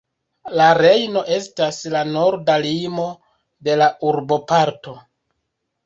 La Rejno estas la norda limo de la urboparto.